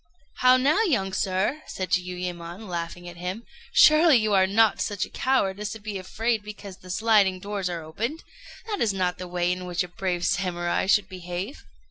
"How now, young sir!" said Jiuyémon, laughing at him, "surely you are not such a coward as to be afraid because the sliding doors are opened? That is not the way in which a brave Samurai should behave."